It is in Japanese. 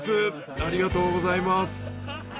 ありがとうございます。